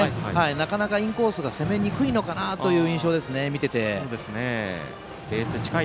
なかなかインコースが攻めにくいのかなという印象です。